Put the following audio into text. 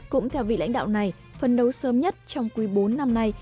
cũng theo vị lãnh đạo này phân đấu sớm nhất trong quý bốn năm nay